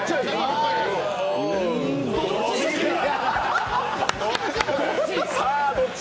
ん、どっち！？